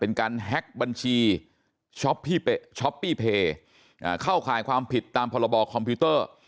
เป็นการแฮ็กบัญชีช้อปปี้เพย์เข้าข่ายความผิดตามพรบคอมพิวเตอร์